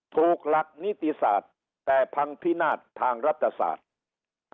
หลักนิติศาสตร์แต่พังพินาศทางรัฐศาสตร์